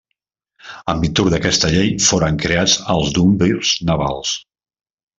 En virtut d'aquesta llei foren creats els duumvirs navals.